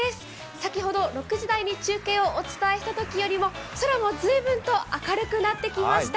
先ほど６時台に中継をお伝えしたときよりも空もずいぶんと明るくなってきました。